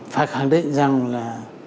phải khẳng định rằng là